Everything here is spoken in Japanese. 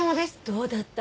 どうだった？